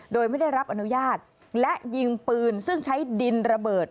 โดยไม่ได้รับอนุญาตและยิงปืนซึ่งใช้ดินระเบิด